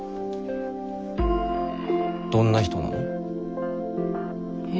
どんな人なの？え？